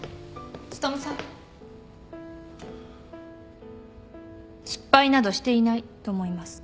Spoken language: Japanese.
努さん失敗などしていないと思います。